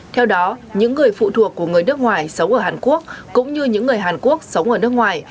theo đó những người phụ thuộc của người nước ngoài sống ở hàn quốc cũng như những người hàn quốc sống ở nước ngoài